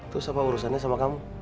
terus apa urusannya sama kamu